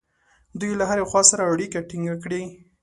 دوی له هرې خوا سره اړیکه ټینګه کړي.